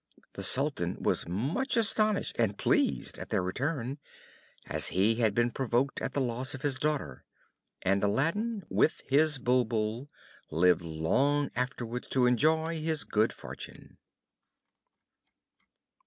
The Sultan was as much astonished and pleased at their return, as he had been provoked at the loss of his daughter; and Aladdin, with his Bulbul, lived long afterwards to enjoy his good fortune.